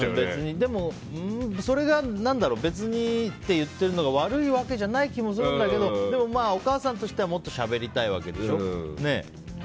でも、別にって言ってるのが悪いわけじゃないと思うけどでもお母さんとしてはもっとしゃべりたいわけでしょ。